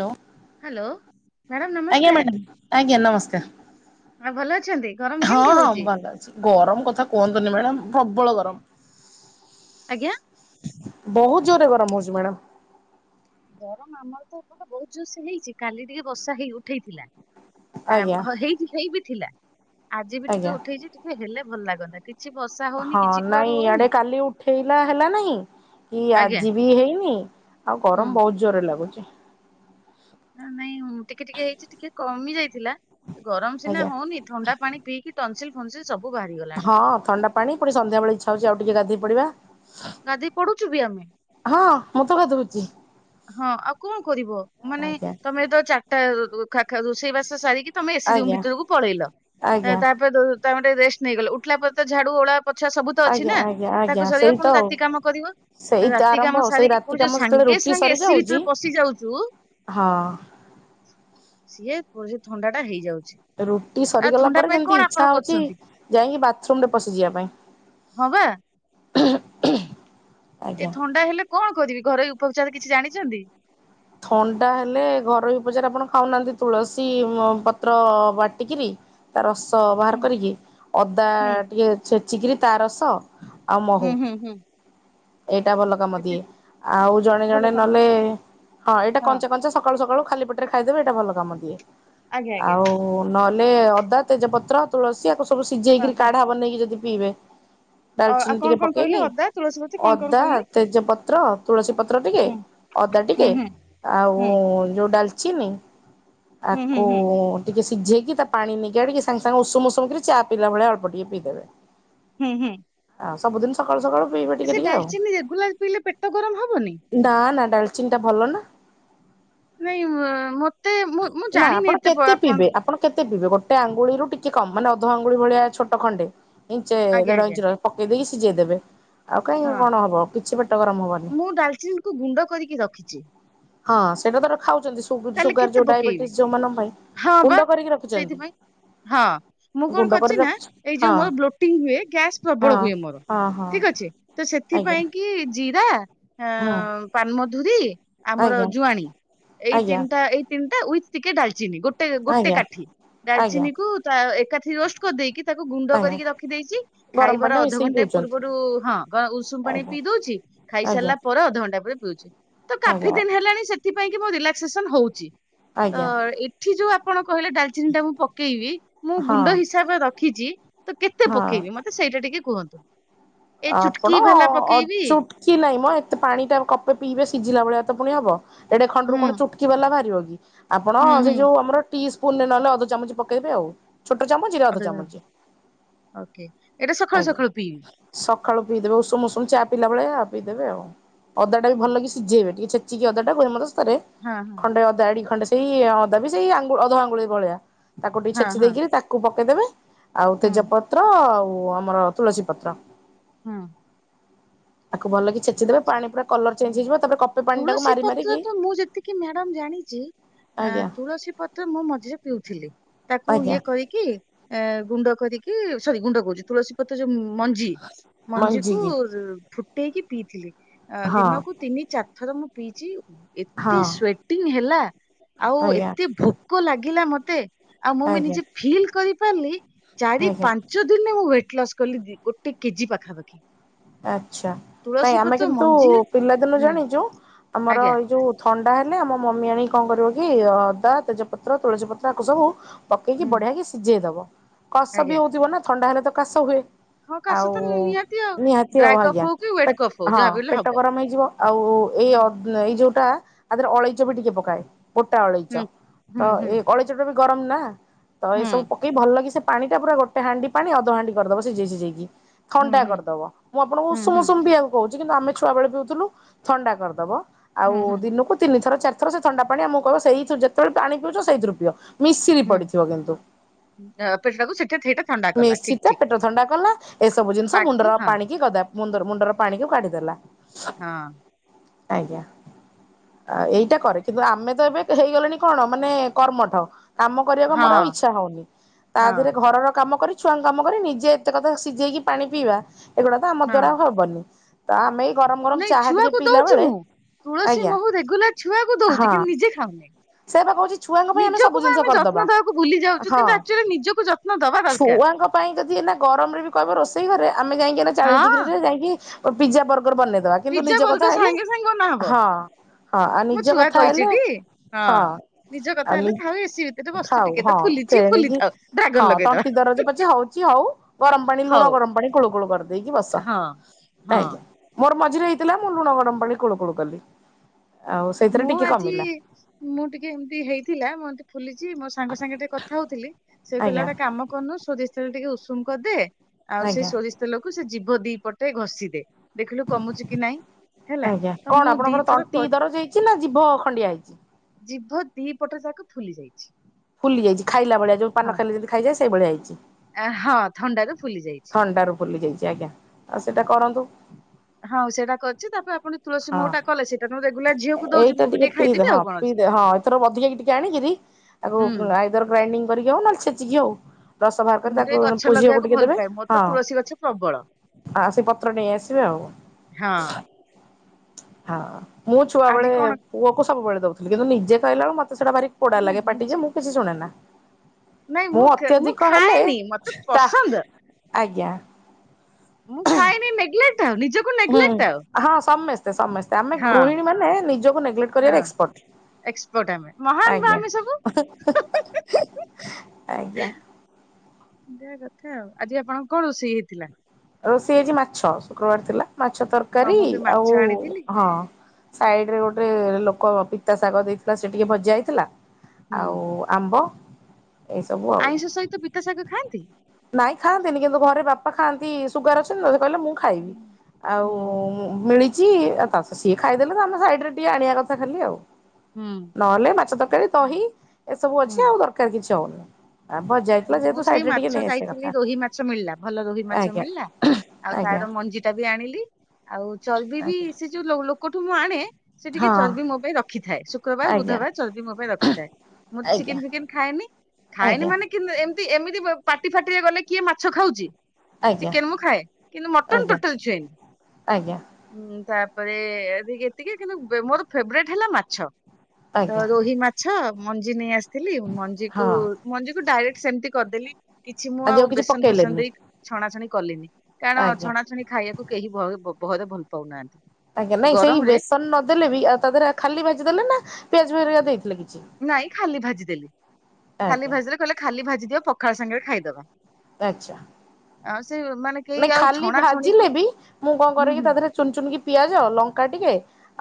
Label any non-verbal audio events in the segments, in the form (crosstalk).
ଲୋ, hello madam ଆଜ୍ଞା ନମସ୍କାର madam ଆଜ୍ଞା ନମସ୍କାର। ଆଉ ଭଲ ଅଛନ୍ତି? ଗରମ ହଁ କେମିତି ହଉ ହଁ ମୁଁ ଭଲ ଅଛି। ଗରମ କଥା କୁହନ୍ତୁନି ମ୍ୟାଡମ୍ ପ୍ରବଳ ଗରମ। ଆଜ୍ଞା। ବହୁତ ଜୋରେ ଗରମ ହଉଛି ମ୍ୟାଡାମ। ଗରମ ଆମର ତ ଏପଟେ ବହୁତ ଜୋର ସେ ହେଇଛି। କାଲି ଟିକେ ବର୍ଷା ହେଇ ଉଠେଇଥିଲା। ଆ, ଆଜ୍ଞା ହୋ- ହେଇଚି ହେଇ ବିି ଥିଲା। ଆଜି ବି ଟିକେ ଆଜ୍ଞା ଉଠେଇଛି ଟିକେ ହେଲେ ଭଲ ଲାଗନ୍ତା। କିଛି ବର୍ଷା ହଉନି ହଁ, କିଛି ନାଇଁ କୁଆଡୁ ଇଆଡ଼େ ହଉନି କାଲି ଉଠେଇଲା ହେଲା ନାହିଁ କି ଆଜ୍ଞା। ଆଜି ବି ହେଇନି। ଆଉ ହୁଁ ଗରମ ବହୁତ ଜୋର ରେ ଲାଗୁଚି। ଅଁ, ନାଇଁ ଟିକେ ଟିକେ ହେଇଛି ଟିକେ କମି ଯାଇଥିଲା। ଗରମ ସିନା ଆଜ୍ଞା ହଉନି ଥଣ୍ଡା ପାଣି ପିଇକି ତନସିଲ୍ ଫନସିଲ ସବୁ ବାହାରିଗଲାଣି। ହଁ ଥଣ୍ଡା ପାଣି ପୁଣି ସନ୍ଧ୍ୟାବେଳେ ଇଛା ହଉଛି ଆଉ ଟିକେ ଗାଧେଇ ପଡିବା। ଗାଧେଇ ପଢୁଛୁ ବି ଆମେ। ହଁ ମୁଁ ତ ଗାଧଉଛି। ହଁ, ଆଉ କଣ କରିବ? ମାନେ ଆଜ୍ଞା ତୋମେ ତ ଚାଟା ଉ, ଉ, ଖା- ଖା- ରୋଷେଇ ବାସ ସାରିକି ତୋମେ ଏସି ରୁମ୍ ଆଜ୍ଞା ଭିତରକୁ ପଳେଇଲ। ଏ ଆଜ୍ଞା ତାପରେ ଯୋଉ ତ ଘଣ୍ଟେ ରେଷ୍ଟ ନେଇଗଲ। ଉଠିଲା ପରେ ତ ଝାଡୁ ଓଳା ପୋଛା ସବୁ ତ ଅଛି ଆଜ୍ଞା ନା, ଆଜ୍ଞା ଆଜ୍ଞା ତାକୁ ସେଇ ସାରିବ ତ ପୁଣି ଆଉ ରାତି କାମ କରିବ। ସେଇ ତ ରାତି ଆରମ୍ଭ କାମ ଆଉ ସେଇ ସାରିକି ରାତି ତୁ କାମ ଯୋଉ ଯେତେବେଳେ ସାଙ୍ଗେ ରୁଟି ସାଙ୍ଗେ ଏସିି ସରିଯାଉଛି ଭିତରେ ପଶି ଯାଉଛୁ। ହଁ ସିଏ ପ-ଯୋଉ ଥଣ୍ଡା ଟା ହେଇଯାଉ ରୁଟି ସରିଗଲା ପରେ ଯେମିତି ଇଚ୍ଛା ହଉଛି କରୁଛନ୍ତି ଯାଇକି ବାଥରୁମ୍ ରେ ପଶିଯିବା ପାଇଁ। ହଁ ବା। (unintelligible) ଏଇ ଆଜ୍ଞା। ଥଣ୍ଡା ହେଲେ କଣ କରିବି ଘରେଇ ଉପଚାର କିଛି ଜାଣିଛନ୍ତି? ଥଣ୍ଡା ହେଲେ ଘରୋଇ ଉପଚାର ଆପଣ ଖାଉନାହାନ୍ତି ତୁଳସୀ ପତ୍ର ବାଟିକିରି। ତା ରସ ବାହାର ହୁଁ କରିକି ଅଦା ହୁଁ ଟିକେ ଛେଚିକିରି ତା ରସ। ଆଉ ହୁଁ ମହୁ ହୁଁ ହୁଁ। ଏଇଟା ଭଲ କାମ ଏତେ ଦିଏ ଆଉ ଜଣେ ଭଲ ଜଣେ କାମ ନହେଲେ। ହଁ ଏଇଟା କଞ୍ଚା କଞ୍ଚା ସକାଳୁ ସକାଳୁ ଖାଲି ପେଟରେ ଖାଇଦେବେ ଏଇଟା ଭଲ କାମ ଦିଏ ଆଜ୍ଞା ଆଜ୍ଞା ଆଉ। ଆଉ ନହେଲେ ଅଦା ତେଜପତ୍ର ତୁଳସୀ ଆକୁ ସବୁ ହଁ ସିଝେଇକିରି ହଁ କାଢା ବନେଇକି ଯଦି ପିଇବେ। ଅ, ଆଉ ଡାଲଚିନି କଣ ଟିକେ କଣ କହିଲେ ପକେଇକି ଅଦା ତୁଳସୀ ପତି କଣ କଣ ଅଦା କହିଲେ? ତେଜ ପତ୍ର ତୁଳସୀ ପତ୍ର ଟିକେ। ହୁଁ ଅଦା ହୁଁ ଟିକେ ହୁଁ ଆଉ ହୁଁ ଯୋଉ ଡାଲଚିନି ହୁଁ ହୁଁ ଆକୁ। ହୁଁ ଟିକେ ସିଝେଇକି ତା ପାଣି ନିଗାଡିକି ସାଙ୍ଗେ ସାଙ୍ଗେ ଉଷୁମ ଉଷୁମ କିରି ଚା ପିଇଲା ଭଳି ଅଳପ ଟିକେ ପିଇଦେବେ। ହୁଁ ହୁଁ। ହଁ ସବୁଦିନ ସକାଳୁ ସକାଳୁ ପିଇବେ ଟିକେ ସେ ଟିକେ ଆଉ। ଡାଲଚିନି ରେଗୁଲାର ପିଇଲେ ପେଟ ଗରମ ହବନି? ନା ନା ଡାଲଚିନ ଟା ଭଲ ନା। ନାଇଁ ମ ମ ନା ଆପଣ କେତେ ପିଇବେ ଆପଣ। କେତେ ପିଇବେ ଗୋଟେ ଆଙ୍ଗୁଳିରୁ ଟିକେ କମ ମାନେ ଅଧ ଆଙ୍ଗୁଳି ଭଳିଆ ଛୋଟ ଖଣ୍ଡେ ଇଞ୍ଚେ ଆଜ୍ଞା ଦେଢ ଆଜ୍ଞା ଇଞ୍ଚି ର। ପକେଇ ଦେଇକି ସିଝେଇ ଦେବେ ଆଉ କାହିଁ କଣ ହବ କିଛି ପେଟ ଗରମ ହବନି। ମୁ ଡାଲଚିନି କୁ ଗୁଣ୍ଡ କରିକି ରଖିଛି। ହଁ ସେଇଟା ତାର ଖାଉଛନ୍ତି ସୁଗୁ ତାହେଲେ ସୁଗାର କେତେ ଯୋଉ ପକେଇବି? ଡାଇବେଟିସ ଯୋଉ ମାନଙ୍କ ପାଇଁ। ହଁ ଗୁଣ୍ଡ ବା କରିକି ରଖିଛନ୍ତି। ସେଇଥିପାଇଁ। ହଁ ମୁଁ କଣ ଗୁଣ୍ଡ କରି କରିଛି ନା ରଖିଛି ଏଇ ଯୋଉ ହଁ ମୋର ବ୍ଲୋଟିଂ ହୁଏ ଗ୍ୟାସ୍ ହଁ ପ୍ରବଳ ହୁଏ ମୋର ହଁ ହଁ ଠିକ ଅଛି। ତ ଆଜ୍ଞା ସେଥିପାଇଁ କି ଜିରା। ହୁଁ ଆଁ ପାନମଧୁରୀ ଆମର ଆଜ୍ଞା ଜୁଆଣୀ ଏଇ ଆଜ୍ଞା ତିନିଟା ଏଇ ତିନିଟା ଉଇଥ ଟିକେ ଡାଲଚିନି ଗୋଟେ ଗୋଟେ ଆଜ୍ଞା କାଠି ଆଜ୍ଞା ଡାଲଚିନି କୁ ତା ଏକାଠି ରୋଷ୍ଟ ଦେଇକି ତାକୁ ଗୁଣ୍ଡ ଆଜ୍ଞା କରିକି ରଖିଦେଇଛି। ଗରମ ଖାଇବାର ପାଣିରେ ମିଶେଇକି ଅଧଘଣ୍ଟା ପିଉଛନ୍ତି ପୂର୍ବରୁ ହଁ ଗ ଉଷୁମ ପାଣି ଆଜ୍ଞା। ପି ଦଉଛି। ଆଜ୍ଞା ଖାଇସାରିଲା ପର ଅଧଘଣ୍ଟା ପରେ ପିଉଛି। ତ କାଫି ଆଜ୍ଞା ଦିନି ହେଲାଣି ସେଥିପାଇଁ କି ମୁ ରିଲାକ୍ସେସନ ହଉଛି ତ‌ ଆଜ୍ଞା ଏ ଏଠି ଯୋଉ ଆପଣ କହିଲେ ଡାଲଚିନି ଟା ମୁଁ ପକେଇବି ମୁଁ ହଁ ଗୁଣ୍ଡ ହିସାବରେ ରଖିଛି। ତ କେତେ ହଁ ପକେଇବି ମତେ ସେଇଟା ଟିକେ କୁହନ୍ତୁ? ଏ ଆପଣ ଚୁଟକି ବାଲା ଅଧ୍ ପକେଇବି ଚୁଟ୍ କି ନାଇଁ ମ ଏତେ ପାଣି ଟା କପେ ପିଇବେ ସିଝିଲା ଭଳିଆ ତ ପୁଣି ହବ ଏଡେ ଖଣ୍ଡରୁ ହୁଁ କଣ ଚୁଟ୍ କି ବାଲା ବାହାରିବ କି ଆପଣ ହୁଁ ହୁଁ ସେଇ ଯୋଉ ଆମର ଟି ସ୍ପୁନରେ ନହେଲେ ଅଧ ଚାମୁଚି ପକେଇବେ ଆଉ। ଛୋଟ ଚାମୁଚିରେ ଅଧ ଚାମୁଚି ଓକେ ଏଇଟା ସକାଳୁ ଆଜ୍ଞା। ସକାଳୁ ପିଇବି। ସକାଳୁ ପିଇ ଦେବେ ଉଷୁମ ଉଷୁମ ଚା ପିଇଲା ବେଳେ ଆ ପି ଦେବେ ଆଉ ଅଦା ଟାକୁ ଭଲ କିି ଓକେ। ସିଝେଇବେ ଟିକେ ଛେ ଚି କି ଅଦା ଟାକୁ ହେମ ଦାସ୍ତାରେ ହଁ ହଁ ଖଣ୍ଡେ ଅଦା ଏଡିକି ଖଣ୍ଡେ ଏଇ ଅଦା ବି ସେଇ ଆଙ୍ଗୁ ଅଧ ଆଙ୍ଗୁଳି ଭଳିଆ ତାକୁ ଟିକେ ହଁ ଛେଚି ହଁ ଦେଇକିରି ତାକୁ ପକେଇଦେବେ। ଆଉ ହଁ ତେଜପତ୍ର ଆଉ ଆମର ତୁଳସୀ ପତ୍ର। ହୁଁ। ତାକୁ ଭଲ କି ଛେଚିଦେବେ ପାଣି ପୁରା କଲର ଚେଞ୍ଜ ହେଇଯିବ ତାପରେ କପେ ପାଣିଟାକୁ ତୁଳସୀ ମାରି ପତ୍ର ମାରିକି ତ ମୁଁ ଯେତିକି ମ୍ୟାଡମ୍ ଜାଣିଛି। ଆ ଆଜ୍ଞା ତୁଳସୀ ପତ୍ ତ୍ର ମୁଁ ମଝିରେ ପିଉଥିଲି ତାକୁ ଆଜ୍ଞା ଇଏ କରିକି ଏ ଗୁଣ୍ଡ କରିକି ସରି ଗୁଣ୍ଡ କଉଚି। ତୁଳସୀ ପତ୍ର ଯୋଉ ମଞ୍ଜି ମଞ୍ଜିକୁ ମଞ୍ଜିକି ଫୁଟେଇକି ପିଇଥିଲି। ଆ ହଁ ଦିନକୁ ତିନି ଚାରି ଥର ମୁଁ ପିଇଚି। ଏତେ ହଁ ସ୍ଵେଟିଂ ହେଲା ଆଉ ଆଜ୍ଞା ଏତେ ଭୋକ ଲାଗିଲା ମତେ। ଆଉ ମୁଁ ବି ଆଜ୍ଞା ନିଜେ ଫିଲ୍ କରିପାରିଲି ଚାରି ଆଜ୍ଞା। ପା ଞ୍ଚ ଦିନରେ ମୁଁ ୱେଟ୍ ଲସ କଲି ଦି ଗୋଟେ କେଜି ପାଖାପାଖି। ଆଚ୍ଛା ପାଇଁ ତୁଳସୀ ଆମେ ପତ୍ର କିନ୍ତୁ ମଞ୍ଜିରେ ପିଲାଦିନୁ ହୁଁ ଜାଣିଚୁ ଆମର ଆଜ୍ଞା ଏଇ ଯୋଉ ଥଣ୍ଡା ହେଲେ ଆମ ମମି ଆଣିକି କଣ କରିବ କି ଅଦା ତେଜପତ୍ର ତୁଳସୀ ପତ୍ର ଆକୁ ସବୁ ପକେଇକି ହୁଁ ବଢିଆ କି ସିଝେଇ ଦବ। କାଶ ଆଜ୍ଞା ବି ହଉଥିବ ନା ଥଣ୍ଡା ହେଲେ ତ କାଶ ହୁଏ। ହଁ କାଶ ଆଉ ତ ନିହାତି ଆଉ। ନିହାତି ଆଉ ଡ୍ରାଏ କଫ୍ ଆଜ୍ଞା ହଉ କି ୱେଟ୍ ପେଟ୍ କଫ୍ ହଉ ହଁ ଯାହାବି ହେଲେ ପେଟ ହବ। ଗରମ ହେଇଯିବ ଆଉ ଏଇ ହୁଁ ଏଇ ଯୋଉଟା ଆଦେହରେ ଅଳେଇଚ ବି ଟିକେ ପକାଏ। ଗୋଟା ଅଳେଇଚ ତ ହୁଁ ହୁଁ ଏଇ ଅଳେ ପେଟଟା ବି ଗରମ ନା ତ ଏ ହୁଁ ସବୁ ଏଇ ଭଲ କି ସେ ପାଣିଟା ପୁରା ଗୋଟେ ହାଣ୍ଡି ପାଣି ଅଧ ହାଣ୍ଡି କରିଦବ ସିଜେଇ ସିଜେଇକି। ହୁଁ ହୁଁ। ମୁଁ ଆପଣଙ୍କୁ ହୁଁ ହୁଁ ଉଷୁମ ହୁଁ ଉଷୁମ ପିଇବାକୁ କୋହୁଚି କିନ୍ତୁ ଆମେ ଛୁଆବେଳେ ପିଉଥୁଲୁ ଥଣ୍ଡା କରିଦବ। ହୁଁ ଆଉ ହୁଁ। ଦିନକୁ ତିନି ଥର ଚାରି ଥର ସେ ଥଣ୍ଡା ପାଣି ଆମକୁ କହିବ ସେଇଥିରୁ ଯେତେବେଳେ ପାଣି ପିଉଚ ସେଇଥିରୁ ପିଅ। ମିଶିରି ହୁଁ। ପଡିଥିବ କିନ୍ତୁ। ଅ ପେଟଟାକୁ ସେଠା ସେଇଟା ଥଣ୍ଡା କଲା ମିଶରି ଠିକ ତ ଠିକ ପେଟ ଥଣ୍ଡା କଲା ଏସବୁ ଜିନିଷ ବାକି ମୁଣ୍ଡର ହଁ ପାଣି ଇଏ କରିଦାବ (unintelligible) ମୁଣ୍ଡରୁ ମୁଣ୍ଡର ପାଣି କୁ କାଢିଦେଲା। ହଁ। ଆଜ୍ଞା। ଆ ଏଇଟା କରେ କିନ୍ତୁ ଆମେ ତ ଏବେ ହେଇଗଲେଣି କଣ ମାନେ କର୍ମଠ। କାମ କରିବାକୁ ମୋର ଆଉ ହଁ। ଇଚ୍ଛା ହଉନି ତା ହଁ ଦେହରେ ଘରର କାମ କରି ଛୁଆଙ୍କ କାମ କରି ନିଜେ ଏତେ କଥା ସିଝେଇକି ପାଣି ପିଇବା ଏଗୁଡା ତ ଆମ ହଁ ଦ୍ଵାରା ଆଉ ହବନି। ତ ଆମେ ଏଇ ଗରମ ଗରମ ନାଇଁ ଚାହା ଟିକେ ଛୁଆକୁ ପିଇଲା ଦଉଛି ବେଳେ ମୁଁ। ତୁଳସୀ ଆଜ୍ଞା ମହୁ ରେଗୁଲାର ଛୁଆକୁ ଦଉଚି ହଁ କିନ୍ତୁ ନିଜେ ଖାଉନାଇଁ। ସେ ବା କହୁଛି ଛୁଆଙ୍କ ପାଇଁ ସବୁ ନିଜକୁ ବି ଜିନିଷ ଆମେ କରିଦବା ଯତ୍ନ ଦବାକୁ ଭୁଲି ଯାଉଚୁ ହଁ। କିନ୍ତୁ ଆକଚ୍ୟୁଏଲି ନିଜକୁ ଯତ୍ନ ଦବା ଦରକାର। ଛୁଆଙ୍କ ପାଇଁ ଯଦି ଏନା ଗରମରେ ବି କହିବ ରୋଷେଇ ଘରେ ଆମେ ଯାଇଁକି ଏନା ଚାଳିଶ ହଁ ଡିଗ୍ରୀରେ ଯାଇକି ପିଜ୍ଜି ବର୍ଗର ବନେଇ ଦବା କିନ୍ତୁ ପିଜା ନିଜ କଥା ବର୍ଗର ହେଲେ ସାଙ୍ଗେ ସାଙ୍ଗେ ବନା ହବ। ହଁ। ହଁ ଆଉ ମୋ ନିଜ ଛୁଆ କଥା ହେଲେ କହିଛିଟି ହଁ। ନିଜ କଥା ଆଉ ନି ହେଲେ ଥାଉ ଏସିି ଭିତରେ ବସିଛୁ ଖାଉ ଟିକେ ତ ହଁ ଫୁଲିଛି ତେଣିକି ଫୁଲିଥାଉ ଡ୍ରାଗନ ହଁ ଲଗେଇଦବା। ତଣ୍ଟି ଦରଜ ପଛେ ହଉଚି ହୋଉ। ଗରମ ପାଣି ଲୁଣ ହଉ ଗରମ ପାଣି କୁଳୁ କୁଳୁ କରି ଦେଇକି ବସ ହଁ ହଁ ଆଜ୍ଞା ମୋର ମଝିରେ ହେଇଥିଲା ମୁଁ ଲୁଣ ଗରମ ପାଣି କୁଳୁ କୁଳୁ କଲି। ଆଉ ସେଇଥିରେ ମୁଁ ଟିକେ ଆଜି କମିଲା ମୁଁ ଟିକେ ଏମତି ହେଇଥିଲା ମତେ ଫୁଲିଚି ମୋ ସାଙ୍ଗ ସାଙ୍ଗେ ଟିକେ କଥା ହଉଥିଲି ସେ କହିଲା ଆଜ୍ଞା ଗୋଟେ କାମ କରନୁ ସୋରି ସେମିତି ଟିକେ ଉଷୁମ କରିଦେ ଆଉ ସେଇ ଆଜ୍ଞା ସୋରିଷ ତେଲକୁ ସେ ଜୀଭ ଦି ପଟେ ଘଷିଦେ ଦେଖିଲୁ କମୁଚି କି ନାଇଁ ହେଲା ତ ମୁଁ ଦିଇ ଥର କ ହେଇଚି ନା ଜିଭ ଖଣ୍ଡିଆ ହେଇଚି? ଜିଭ ଦିଇ ପଟ ଯାକ ଫୁଲି ଯାଇଚି। ଫୁଲି ଯାଇଚି ଖାଇଲା ଭଳିଆ ଯୋଉ ପାନ ଖାଇଲେ ଯେମିତି ଖାଇଯାଏ ସେଇଭଳିଆ ହେଇଚି। ଆ ହଁ ଥଣ୍ଡାରୁ ଫୁଲି ଯାଇ ଥଣ୍ଡାରୁ ଫୁଲି ଯାଇଚି ଆଜ୍ଞା ଆଉ ସେଟା କରନ୍ତୁ। ହଁ ସେଇଟା କରିଚି ତାପରେ ଆପଣ ତୁଳସୀ ହଁ ମହୁଟା କଲେ ସେଟା ତ ମୁଁ ରେଗୁଲାର ଝିଅକୁ ଦଉଚି। ମୁଁ ବି ଟିକେ ଖାଇଦେବି ଆଉ କଣ ଅଛି। ତୋର ଅଧିକାକି ଟିକେ ଆଣିକିରି ତାକୁ ହୁଁ ଆଇଦର ଗ୍ରାଇଡିଙ୍ଗ କରିକି ହୋଉ ନହେଲେ ଛେଚିକି ହୋଉ ରସ ବାହାର କରି ମୁଁ ତାକୁ ଟିକେ ଗଛ ପୁଅ ଝିଅକୁ ଲଗେଇବାକୁ ଟିକେ ଭଲ ଦେବେ। ପାଏ ମୋର ତ ତୁଳସୀ ଗଛ ପ୍ରବଳ ହଁ (unintelligible) ସେ ପତ୍ର ନେଇ ଆସିବେ ଆଉ। ହଁ। ହଁ ମୁଁ ଛୁଆ ବେଳେ ଆଜି କଣ ପୁଅକୁ ସବୁବେଳେ ଦଉଥିଲି କିନ୍ତୁ ନିଜେ ଖାଇଲା ବେଳକୁ ମତେ ସେଟା ଭାରି ପୋଡ଼ା ନା ଲାଗେ ପାଟି ଯେ ନିଜେ ମୁଁ କିଛି ଶୁଣେନା। ନାଇଁ ମୁଁ ଖା- ଅତ୍ୟଧିକ ହେଲେ ଖାଏନି ମତେ ତା ପସନ୍ଦ ଆଜ୍ଞା। ମୁଁ ଖାଇନି ନେଗେଲେଟ୍ (unintelligible) ହୁଁ ହଁ ସମସ୍ତେ-ସମସ୍ତେ ଆମେ ହଁ ଗୃହିଣୀ ମାନେ ନିଜକୁ ନେଗଲେକ୍ଟ କରିବାରେ ଏକ୍ସପଟ୍। ଏକ୍ପଟ୍ ଆମେ ମହାନ୍ ବା ଆମେ ସବୁ। ଆଜ୍ଞା। (unintelligible) କଥା ଆଉ ଆଜି ଆପଣଙ୍କ କଣ ରୋଷେଇ ହେଇଥିଲା? ରୋଷେଇ ହେଇଚି ମାଛ ଶୁକ୍ରବାର ଥିଲା ମାଛ ହଁ ତରକାରୀ ମୁଁ ବି ମାଛ ଆଉ ଆଣିଥିଲି ହଁ। ସାଇଡ୍ ରେ ଗୋଟେ ଲୋକ ପିତା ଶାଗ ଦେଇଥିଲା ସେ ଟିକେ ଭଜା ହେଇଥିଲା ହୁଁ ଆଉ ଆମ୍ବ। ଏଇ ସବୁ ଆଉ ଆଇଁଷ ସହିତ ପିତା ଶାଗ ଖାଆନ୍ତି? ନାଇଁ ଖାଆନ୍ତିନି କିନ୍ତୁ ଘରେ ବାପା ଖାଆନ୍ତି ସୁଗାର ଅଛନ୍ତି ସେ କହିଲେ ମୁଁ ଖାଇବି ହୁଁ ଆଉ ହୁଁ ମିଳିଚି। ସିଏ ଖାଇଦେଲେ ତ ଆମେ ସାଇଡ୍ ରେ ଟିକେ ଆଣିଆ କଥା ଖାଲି ଆଉ। ହୁଁ ନହେଲେ ମାଛ ତରକାରୀ ଦହି ଏସବୁ ଅଛି ହୁଁ। ଆଉ ଦରକାର୍ କିଛି ହଉନି। ଆ ଭଜା ହେଇଥିଲା ମୁଁ ଯେହେତୁ ସେଇ ସାଇଡରେ ଟିକେ ମାଛ ନେଇ ଆସିବା ଯାଇଥିଲି କଥା ରୋହି ମାଛ ମିଳିଲା ଭଲ ରୋହି ମାଛ ଆଜ୍ଞା ମିଳିଲା। ଆଉ ଆଜ୍ଞା ତାର ମଞ୍ଜି ଟା ବି ଆଣିଲି ଆଉ ଚର୍ବି ବି ଆଜ୍ଞା। ସେ ଯୋଉ ଲୋ ଲୋକଠୁ ମୁଁ ଆଣେ ସେ ଟିକେ ହଁ ଚର୍ବି ମୋ ପାଇଁ ରଖିଥାଏ ଶୁକ୍ରବାର ଆଜ୍ଞା ବୁଧବାର ଚର୍ବି ମୋ ପାଇଁ ରଖିଥାଏ। ମୁଁ ତ ଆଜ୍ଞା ଚିକେନ୍ ଫିକେନ୍ ଖାଏନି-ଖାଏନି ଆଜ୍ଞା। ମା କିନ୍ତୁ ଏମ୍ତି ଏମିତି ପାଟି ଫାଟିରେ ଗଲେ କିଏ ମାଛ ଖାଉଚି। ଆଜ୍ଞା ଚିକେନ୍ ମୁଁ ଖାଏ କିନ୍ତୁ ମଟନ୍ ଆଜ୍ଞା ଟୋଟାଲି ଛୁଏଁନି। ଆଜ୍ଞା ହୁଁ ତାପରେ ଏ ଏତିକି କିନ୍ତୁ ମୋର ଫେବରାଇଟ୍ ହେଲା ମାଛ। ତ ଆଜ୍ଞା ରୋହି ମାଛ ମଞ୍ଜି ନେଇ ଆସିଥିଲି ହଁ ମଞ୍ଜିକୁ ମ ଡାଇରେକ୍ଟ ସେମ୍ତି କରିଦେଲି କିଛି ମୁଁ ଆଜି ଆଉ କିଛି ବେସନ୍ ଫେସନ୍ ପକେଇଲେନି ଦେଇ ଛଣାଛଣି କଲିନି କାରଣ ଆଜ୍ଞା ଛଣାଛଣି ଖାଇବାକୁ କେହି ବହୁତ୍ ଭଲ ପାଉନାହାନ୍ତି। ଆଜ୍ଞା ଏ ନାଇଁ ସେଇ ଗରମରେ ବେସନ୍ ନଦେଲେ ବି ଆଉ ତା ଦେହରେ ଖାଲି ଭାଜି ଦେଲେ ନା ପିଆଜ (unintelligible) ଦେଇଥିଲେ? କିଛି ନାଇଁ ଖାଲି ଭାଜିଦେଲି ଖାଲି ଆଜ୍ଞା ଭାଜିଦେଲେ କହିଲେ ଖାଲି ଭାଜି ଦିଅ ପଖାଳ ସାଙ୍ଗେରେ ଖାଇଦବା। ଆଚ୍ଛା। ଆଉ ସେ ମାନେ କେହି ନାଇଁ ଆଉ ଖାଲି ଛଣା ଛଣିକୁ ଭାଜିଲେ ବି ମୁଁ କଣ ହୁଁ କରେ କି ହୁଁ ତା ଧେରେ ଚୁନ୍ ଚୁନ୍ କି ପିଆଜ ଲଙ୍କା ଟିକେ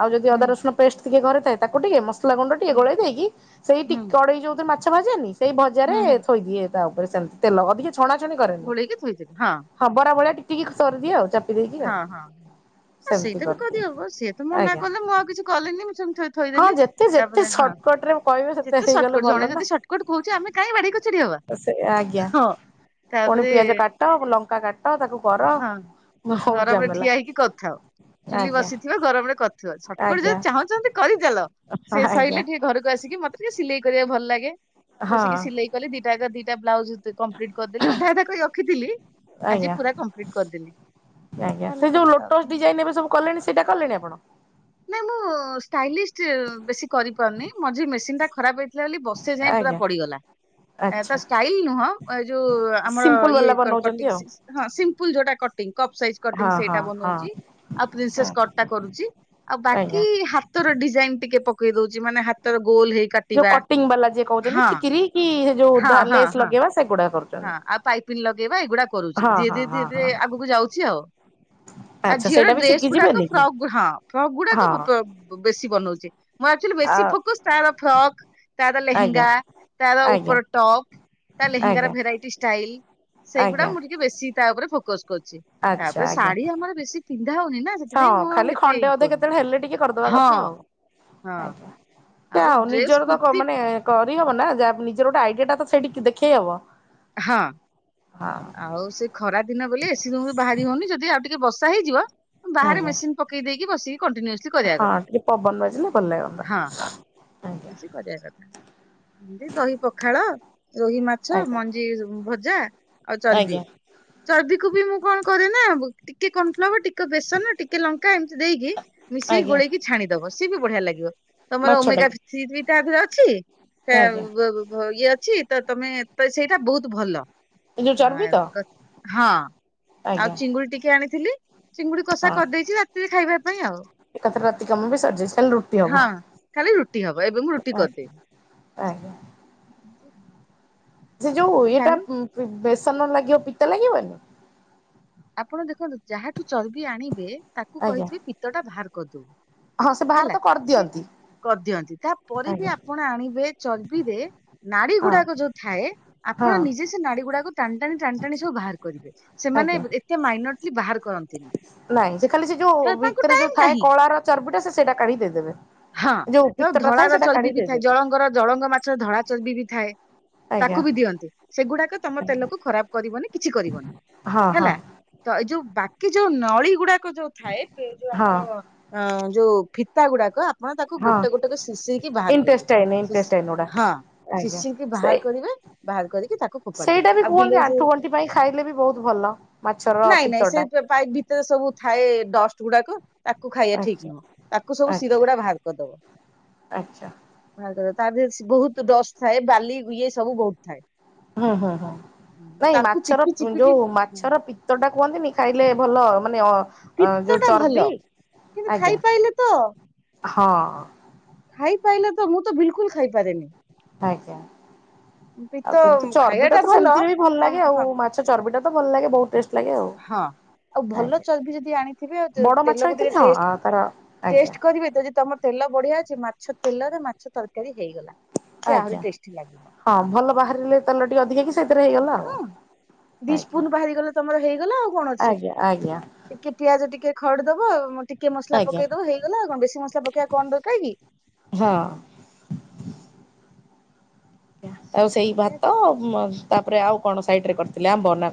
ଆଉ ଯଦି ହୁଁ ଅଦା ରସୁଣ ପେଷ୍ଟ ଟିକେ ଘରେ ଥାଏ ତାକୁ ଟିକେ ମ ସସଲା ଗୁଣ୍ଡ ଟିକେ ହୁଁ ଗୋଳେଇ ଦେଇକି ସେଇ ଟି ହୁଁ କଡେଇ ଯୋଉଥିରେ ମାଛ ଭାଜେନି ସେଇ ଭଜାରେ ହୁଁ ହୁଁ ଥୋଇଦିଏ। ତା ଉପରେ ସେମ୍ତି ତେଲ ଅଧିକ ଛଣାଛଣି କରେନି। ଟିକେ (unintelligible) ହଁ। ହବରା ଭଳିଆ ଟିକ୍-ଟିକ୍ କରିଦିଏ ଆଉ। ଦେଇକି ଆଉ ହଁ-ହଁ। ସେମିତି ସେଇଟା ବି କରିଦିଏ କରିହବ ସିଏ ତ ମନା ଆଜ୍ଞା କଲେ ମୁଁ ଆଉ କିଛି କଲିନି ମୁଁ ସେମ୍ତି ହଁ ଥୋଇଦେଲି। ଯେତେ ଯେତେ ତାପରେ ହଁ ସର୍ଟକଟ ରେ କହିବେ ସେତେ ଯେତେ ହେଇଗଲେ ସର୍ଟକଟ ଭଲ ଜଣେ ଯଦି ସର୍ଟକଟ କହୁଚି ଆମେ କାଇଁ ବାଡେଇ କଚାଡି ହବା। ତ ସେ ଆଜ୍ଞା। ହଁ ପୁଣି ତାପରେ (unintelligible) ଲଙ୍କା କାଟ ତାକୁ କର। ହଁ। ବହୁତ ଗରମ ରେ ଝାମେଲା ଠିଆ ହେଇକି କରିଥାଉ। ଚୁଲି ଆଜ୍ଞା ବସିଥିବ ଗରମରେ କରିଥିବ ସଟକଟ ଆଜ୍ଞା ଯଦି ଚାହୁଁଛନ୍ତି କରି ଚାଲ। ସେ ଆଜ୍ଞା। ସରିଲେ ଟିକେ ଘରକୁ ଆସିକି ମତେ ଟିକେ ସିଲେଇ କରିବା ଭଲ ଲାଗେ ହଁ ବସିକି ସିଲେଇ କଲି ଦିଟା କ ଦିଟା ବ୍ଲାଉଜ କମ୍ପ୍ଲିଟ କରିଦେଲି ଅଧା ଅଧା କରି ରଖିଥିଲି। ଆଜି ଆଜ୍ଞା ପୁରା କମ୍ପ୍ଲିଟ କରିଦେଲି ଆଜ୍ଞା ଭଲ ସେ କଲି ଯୋଉ ଆଉ ଲୋଟସ୍ ଡିଜାଇନ ଏବେ ସବୁ କଲେଣି ସେଇଟା କଲେଣି ଆପଣ। ନାଇଁ ମୁଁ ଷ୍ଟାଇଲିଷ୍ଟ ବେଶୀ କରିପାରୁନି। ମଝିରେ ମେସିନଟା ଖରାପ ହେଇଥିଲା ବୋଲି ବ ସେ ଯାଇଁ ପୁରା ଆଜ୍ଞା ପଡିଗଲା। ଏ ତ ଆଚ୍ଛା ଷ୍ଟାଇଲ ନୁହଁ ଏ ଯୋଉ ଆମର ସିମ୍ପଲ ଇଏ ବାଲା କଟ ବନଉଛନ୍ତି ଆଉ ହଁ ସିମ୍ପଲ ଯୋଉଟା କଟିଂ କପ୍ ସାଇଜ କଟିଂ ହଁ ହଁ ସେଇଟା ବନଉଛି ହଁ। ଆଉ ପ୍ରିନ୍ସେସ୍ କଟଟା କରୁଛି। ଆଉ ବାକି ଆଜ୍ଞା ହାତର ଡିଜାଇନ ଟିକେ ପକେଇ ଦଉଛି ମାନେ ହାତର ଗୋଲ ହେଇ ଯୋଉ କାଟିବା କଟିଙ୍ଗ ବାଲା ଯିଏ କହୁଛନ୍ତି ହଁ। ଠିକିରି କି ସେ ଯୋଉ ହଁ ହଁ ଲେସ୍ ହଁ ଲଗେଇବା ସେଗୁଡା କରୁ। ହଁ ଆଉ ପାଇପିନ୍ ଲଗେଇବା ଏଇଗୁଡା କରୁଛି। ଧୀରେ ହଁ ଧରେ ଧୀରେ ହଁ ଧୀରେ ହଁ ଆଗକୁ ଯାଉଛି ଆଉ। ଆଉ ଆଚ୍ଛା ଝିଅର ସେଇଟା ବି ଡ୍ରେସ ଗୁଡାକ ଶିଖିଯିବେନି କି ଫ୍ରକ୍ ହଁ ଫ୍ରକ୍ ଗୁଡାକ ହଁ ବେଶୀ ବନଉଛି। ମୁଁ ଆକ୍ଚୁଲି ଆ ବେଶୀ ଫୋକସ ତାର ଫ୍ରକ୍, ତାର ଆଜ୍ଞା ଲେହେଙ୍ଗା, ତାର ଆଜ୍ଞା ଉପର ଟପ ତା ଲେହେଙ୍ଗାର ଆଜ୍ଞା ଭେରାଇଟି ଷ୍ଟାଇଲ ସେଇଗୁଡା ଆଜ୍ଞା ମୁଁ ଟିକେ ବେଶୀ ତା ଉପରେ ଫୋକସ କରୁଛି। ଆଚ୍ଛା ତାପରେ ଆଜ୍ଞା ଶାଢୀ ଆମର ବେଶୀ ପିନ୍ଧା ହଉନି ନା ହଁ ସେଥିପାଇଁ ମୁଁ ଆଉ ଖାଲି ଏତେ ଖଣ୍ଡେ ଏଇ ଅଧେ କରୁନି। କେତେବେଳେ ହେଲେ ଟିକେ କରିଦବା ହଁ କଥା ଆଉ ହଁ ଆଜ୍ଞା ଆଉ ଯାହା ହଉ ଡ୍ରେସ ନିଜର ତ କୁର୍ତ୍ତି ମାନେ କରିହବ ନା ଯା ନିଜର ଗୋଟେ ଆଇଡିଆ ଟା ତ ସେଇଠି ଦେଖେଇ ହବ। ହଁ ହଁ ଆଉ ସେ ଖରାଦିନ ବୋଲି ଏ ସି ରୁମରୁ ବାହାରି ହଉନି ଯଦି ଆଉ ଟିକେ ବର୍ଷା ହେଇଯିବ ବାହାରେ ଆଜ୍ଞା ମେସିନ ପକେଇ ଦେଇକି ବସିକି କଣ୍ଟିନ୍ୟୁ ହଁ ଟିକେ ପବନ ବାଜିଲେ ଭଲ ଲାଗନ୍ତା। ହଁ ଆଜ୍ଞା କରିବା କଥା ଏମିତି ଦହିପଖାଳ, ରୋହିମାଛ ମ ଆଜ୍ଞା ଭଜା ଆଉ ଚର୍ବି। ଆଜ୍ଞା ଚର୍ବିକୁ ବି ମୁଁ କଣ କରେ ନା ଟିକେ କର୍ନଫ୍ଲବର ଟିକେ ବେସନ ଟି କେ ଲଙ୍କା ଏମିତି ଦେଇକି ମିଶେଇ ଆଜ୍ଞା ଗୋଳେଇକି ଛାଣିଦବ। ସିଏ ବି ବଢିଆ ଲାଗିବ ତମର ଓମେଗା ମାଛଟାକୁ ସୀବି ତା ଦେରେ ଅଛି (inaudible) ଆଜ୍ଞା ଇଏ ଅଛି ତ ତମେ ତ ସେଇ ବହୁତ ଭଲ। ଏ ଯୋଉ ହଁ ଚର୍ବି ତ ଆଉ ଆଜ୍ଞା ଚିଙ୍ଗୁଡ଼ି ଟିକେ ଆଣିଥିଲି ଚିଙ୍ଗୁଡି କଷା ହଁ କରିଦେଇଛି ରାତିରେ ଖାଇବା ପାଇଁ ଆଉ। ଏକାଥରେ ରାତିକାମ ବି ସରିଯାଇଛି ଖାଲି ରୁଟି ହଁ ହବ। ଖାଲି ରୁଟି ହବ ଏବେ ମୁଁ ରୁଟି ଆଜ୍ଞା କରିଦେବି। ଆଜ୍ଞା। ସେ ଯୋଉ ଇଏଟା ଚାଲ ବେସନ ଲାଗିବ ପିତା ଲାଗିବନି? ଆପଣ ଦେଖନ୍ତୁ ଯାହାଠୁ ଚର୍ବି ଆଣିବେ ତାକୁ ଆଜ୍ଞା କହିଥିବେ ପିତ୍ତଟା ବାହାର କରିଦଉ। ହଁ ସେ ବାହାର ହେଲା ତ ସିଏ କରିଦିଅନ୍ତି କରିଦିଅନ୍ତି। ତାପରେ ବି ଆଜ୍ଞା ଆପଣ ଆଣିବେ ଚର୍ବିରେ ନାଡି ହଁ ଗୁଡାକ ଯୋଉ ଥାଏ ହଁ ଆପଣ ନିଜେ ସେ ନାଡି ଗୁଡାକୁ ଟଣ୍ଟାଣି ଟାଣ୍ଟାଣି ସବୁ ବାହାର କରିବେ। ସେମାନେ ଆଜ୍ଞା ଏତେ ମାଇନରଲି ବାହାର କରନ୍ତିନି ନାଇଁ ସେ ଖାଲି ସେ ଯୋ କାରଣ ତାଙ୍କୁ ଭିତରେ ଯୋ ଟାଇମ ଥାଏ ନାହିଁ କ ତାର ଚର୍ବିଟା ସେ ସେଟା କାଢି ଦେଇଦେବେ। ହଁ ଯୋଉ ତ ପିତ୍ତଟା ଥାଏ ଧଳାର ସେଇଟା ଚର୍ବି କାଢି ବି ଥାଏ ଦେଇଦେବେ ଜଳଙ୍ଗର ଜଳଙ୍ଗମାଛର ଧଳାଚର୍ବି ବି ଥାଏ। ଆଜ୍ଞା ତାକୁ ବି ଦିଅନ୍ତି ସେଗୁଡାକ ତମ ତେଲକୁ ଖରାପ କରିବନି କିଛି କରିବନି ହଁ ହଁ ହେଲା। ତ ଏଇ ଯୋଉ ବାକି ଯୋଉ ନଳୀଗୁଡାକ ଯୋ ଥାଏ ଯୋଉ ହଁ ଆମର ଅ ଯୋ ଫିତା ଗୁଡାକ ଆପଣ ତାକୁ ହଁ ଗୋଟେ ଗୋଟେ କ ଶିଶେଇକି ବାହାର କରିବେ ଇଣ୍ଟେଷ୍ଟାଇନ୍ ଶିଶ ଇଣ୍ଟେଷ୍ଟାଇନ୍ ଗୁଡା ହିଁ ଆଜ୍ଞା ଶିଶିକି ବାହାର ସେଇ କରିବେ। ବାହାର କରିକି ତାକୁ ଫୋପାଡି ଦେବେ ସେଇଟା ବି ଆଉ କୁହନ୍ତି ବିଲେଇ ଆଣ୍ଠୁ ଗଣ୍ଠି ପାଇଁ ଖାଇଲେ ବି ବହୁତ ଭଲ ମାଛର ନାଇଁ ନାଇଁ ସେ ପିତ୍ତଟା ପେ ପାଇପ୍ ଭିତରେ ସବୁ ଥାଏ ଡଷ୍ଟ ଗୁଡାକ ତାକୁ ଖାଇଆ ଠିକ୍ ନୁହଁ ତାକୁ ସବୁ ଶିର ଗୁଡା ବାହାର୍ ଆଚା। ତା ଦେହରେ ତାଦେହରେ ବହୁତ୍ ଡଷ୍ଟ ଥାଏ ବାଲି ଇଏ ସବୁ ବହୁତ୍ ଥାଏ। ହୁଁ ହୁଁ ହୁଁ ନାଇଁ ତାକୁ ମାଛର ଚିପି ଚିପିକି ଯୋଉ ମାଛର ପି ପିତଟା କୁହନ୍ତିନି ଖାଇଲେ ଭଲ ମାନେ ଅ ଅ ଫିତ ଯୋଉ ଟା ଭଲ ଚର୍ବି କିନ୍ତୁ ଆଜ୍ଞା ଖାଇପାଇଲେ ତ ହଁ। ଖାଇପାଇଲେ ତ ମୁଁ ତ ବିଲକୁଲ୍ ଖାଇପାରେନି। ଆଜ୍ଞା ଆଉ ପିତ କିନ୍ତୁ ଖାଇବା ଚର୍ବିଟା ଟା ତ ଭଲ ସେମିତିରେ ବି ତ ଭଲଲାଗେ ଆଉ ହଁ ମାଛ ଚର୍ବିଟା ତ ଭଲଲାଗେ ବହୁତ ଟେଷ୍ଟ ଲାଗେ ଆଉ। ହଁ ଆଉ ଭଲ ଆଜ୍ଞା ଚର୍ବି ଯଦି ଆଣିଥିବେ ତ ବଡ ମାଛ ତେଲକୁ ଟିକେ ହେଇଥିଲେ ହଁ ଆ ଟେଷ୍ଟ ତାର ଆଜ୍ଞା ଟେଷ୍ଟ କରିବେ ତ ଯଦି ତମ ତେଲ ବଢିଆ ଅଛି ମାଛ ତେଲରେ ମାଛ ତରକାରୀ ହେଇଗଲା ସେ ଆହୁରି ଆଜ୍ଞା। ଟେଷ୍ଟି ଲାଗିବ। ହଁ ଭଲ ବାହାରିଲେ ତେଲ ଟିକେ ଅଧିକାକି (unintelligible) ହଁ ସ୍ପୁନ୍ ବାହାରିଗଲେ ତମର ହେଇଗଲା ଆଉ କଣ ଅଛି। ଆଜ୍ଞା ଆଜ୍ଞା ଟିକେ ପିଆଜ ଟିକେ ଖଡି ଦବ ଟିକେ ମସଲା ଆଜ୍ଞା ପକେଇ ଦବ ହେଇଗଲା କଣ ବେଶୀ ମସଲା ପକେଇବା କଣ ଦରକାର କି। ହଁ। ଆଉ ସେଇ ଏମିତିଆ ଭାତ କଥା ତାପରେ ଆଉ କଣ ସାଇଟି ରେ କରିଥିଲେ ଆମ୍ବ ନାଁ କଣ?